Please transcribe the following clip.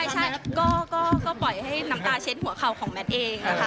ใช่ก็ปล่อยให้น้ำตาเช็ดหัวเข่าของแมทเองนะคะ